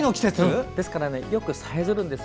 ですから、よくさえずるんですよ。